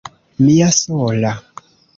Mia sola!